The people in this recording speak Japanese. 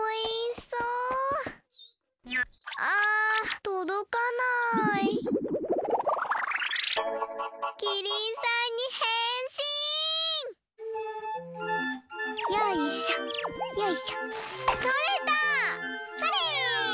それ！